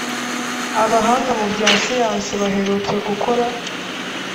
abahanga mu bya siyansi baherutse gukora